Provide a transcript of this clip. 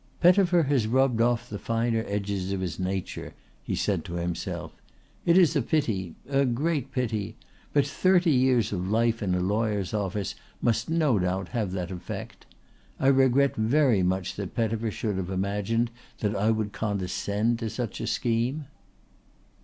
"Pettifer has rubbed off the finer edges of his nature," he said to himself. "It is a pity a great pity. But thirty years of life in a lawyer's office must no doubt have that effect. I regret very much that Pettifer should have imagined that I would condescend to such a scheme."